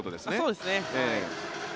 そうですね。